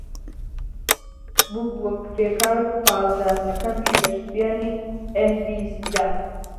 ببووە کرێکار و پاسدار لە کەمپی لەشکریانی ئێنگلیسدا